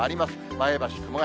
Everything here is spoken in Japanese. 前橋、熊谷。